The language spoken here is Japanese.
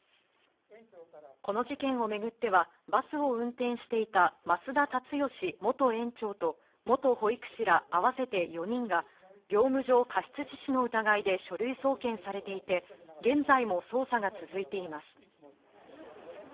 この事件を巡っては、バスを運転していた増田立義元園長と元保育士ら合わせて４人が、業務上過失致死の疑いで書類送検されていて、現在も捜査が続いています。